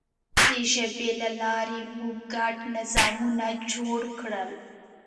د ژبې له لارې موږ ګډ نظامونه جوړ کړل.